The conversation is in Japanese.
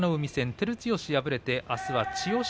照強は敗れてあす千代翔